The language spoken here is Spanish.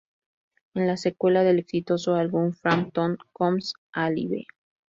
Es la secuela del exitoso álbum "Frampton Comes Alive!